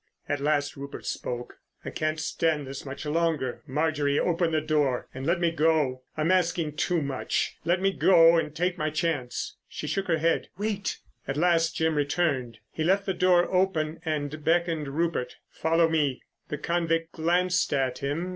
At last Rupert spoke. "I can't stand this much longer. Marjorie, open the door and let me go. I'm asking too much. Let me go and take my chance." She shook her head. "Wait." At last Jim returned. He left the door open and beckoned to Rupert. "Follow me." The convict glanced at him.